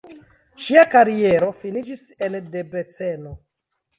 Ŝia kariero finiĝis en Debreceno.